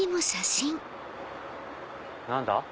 何だ？